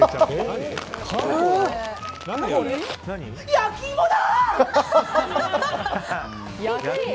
焼き芋だ！